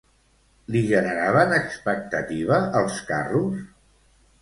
Li generaven expectativa, els carros?